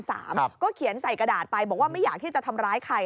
ก็เขียนใส่กระดาษไปบอกว่าไม่อยากที่จะทำร้ายใคร